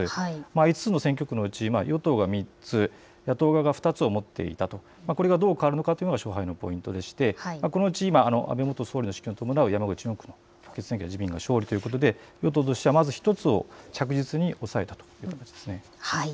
５つの選挙区のうち与党が３つ、野党側が２つを持っていたこれがどう変わるのかというのが勝敗のポイントで、このうち今、山口４区の選挙で自民が勝利ということで与党としてはまず１つを確実に押さえたというところです。